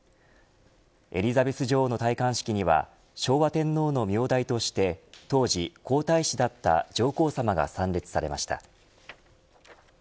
エリザベス女王の戴冠式には昭和天皇の名代として当時、皇太子だった上皇さまが参列されました。